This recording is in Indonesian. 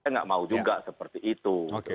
saya nggak mau juga seperti itu